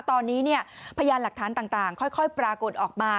ตอนนี้พยานหลักฐานต่างค่อยปรากฏออกมา